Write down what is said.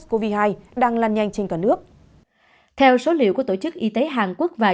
covid một mươi chín đang làn nhanh trên cả nước theo số liệu của tổ chức y tế hàn quốc và